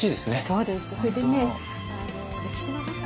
そうですそれでね。